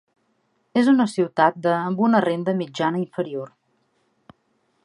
És una ciutat de amb una renda mitjana inferior.